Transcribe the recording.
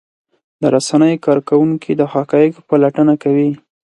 د رسنیو کارکوونکي د حقایقو پلټنه کوي.